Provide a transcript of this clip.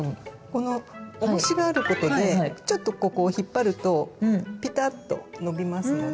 このおもしがあることでちょっとここを引っ張るとピタッとのびますので。